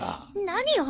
何を！？